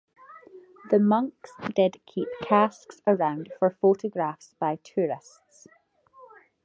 The monks did keep casks around for photographs by tourists.